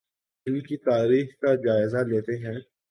ان کی تاریخ کا جائزہ لیتے ہیں